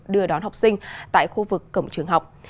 đưa đón học sinh tại khu vực cổng trường học